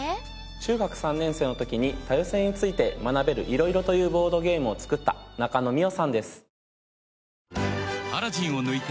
中学３年生の時に多様性について学べる『ＩＲＯＩＲＯ』というボードゲームを作った中野実桜さんです。